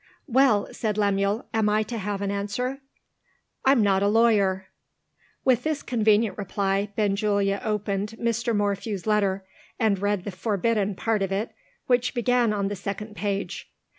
"Well," said Lemuel, "am I to have an answer?" "I'm not a lawyer." With this convenient reply, Benjulia opened Mr. Morphew's letter, and read the forbidden part of it which began on the second page.